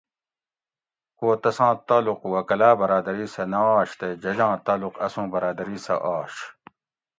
کو تساں تعلق وکلأ برادری سہ نہ آش تے ججاں تعلق اسوں برادری سہ آش